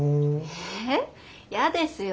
えやですよ。